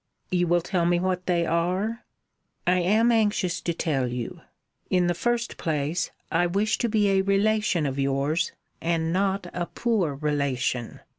"You will tell me what they are?" "I am anxious to tell you. In the first place, I wish to be a relation of yours, and not a poor relation.